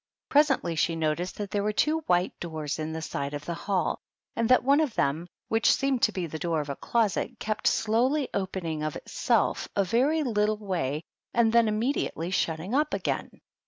Presently she noticed that there were two white doors in the side of the hall, and that one of 32 THE DUCHESS AND HER HOUSE. them, which seemed to be the door of a closet, kept slowly opening of itself a very little way and then immediately shutting up again.